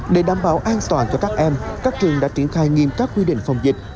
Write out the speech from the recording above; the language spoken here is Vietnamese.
để đảm bảo an toàn cho các em các trường đã triển khai nghiêm các quy định phòng dịch